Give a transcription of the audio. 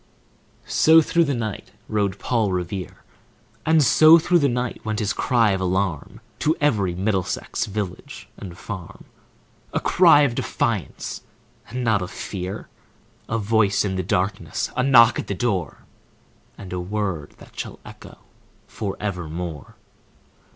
So through the night rode Paul Revere; And so through the night went his cry of alarm To every Middlesex village and farm,— A cry of defiance and not of fear, A voice in the darkness, a knock at the door, And a word that shall echo forevermore!